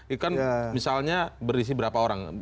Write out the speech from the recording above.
itu kan misalnya berisi berapa orang